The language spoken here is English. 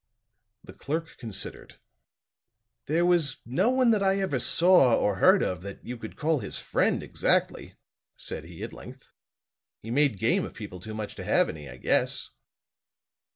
The clerk considered. "There was no one that I ever saw or heard of that you could call his friend, exactly," said he at length. "He made game of people too much to have any I guess."